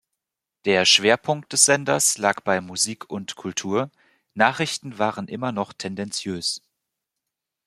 Der Schwerpunkt des Senders lag bei Musik und Kultur, Nachrichten waren immer noch tendenziös.